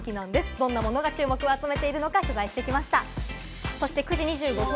どんなものが注目を集めているのか取材しました。